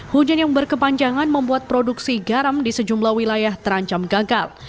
hujan yang berkepanjangan membuat produksi garam di sejumlah wilayah terancam gagal